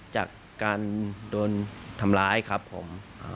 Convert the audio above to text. จากการโดนทำร้ายครับผม